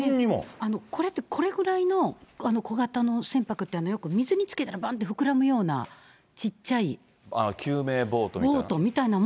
これって、これぐらいの小型の船舶って、よく水につけたらばんって膨らむような、救命ボートみたいな。